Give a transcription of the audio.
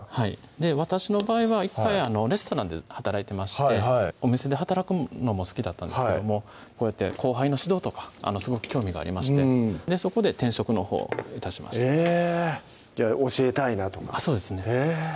私の場合は１回レストランで働いてましてお店で働くのも好きだったんですけどもこうやって後輩の指導とかすごく興味がありましてそこで転職のほう致しましたへぇじゃあ教えたいなと思ってそうですね